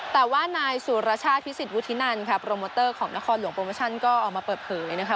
แต่ว่านายสุรชาติพิสิทธวุฒินันค่ะโปรโมเตอร์ของนครหลวงโปรโมชั่นก็ออกมาเปิดเผยนะคะ